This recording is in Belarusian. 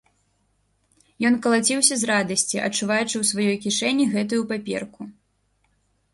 Ён калаціўся з радасці, адчуваючы ў сваёй кішэні гэтую паперку.